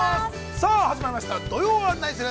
さあ始まりました「土曜はナニする！？」。